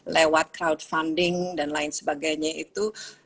lewat crowdfunding dan lain sebagainya itu